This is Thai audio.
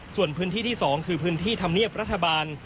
ส่วนพื้นที่ที่๒คือพื้นที่ธรรมเนียบรัฐบาล